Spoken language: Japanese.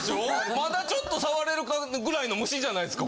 まだちょっと触れるかぐらいの虫じゃないですか。